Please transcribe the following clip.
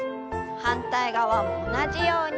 反対側も同じように。